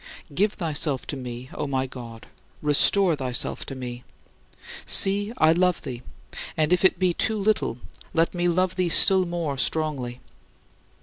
Give thyself to me, O my God, restore thyself to me! See, I love thee; and if it be too little, let me love thee still more strongly.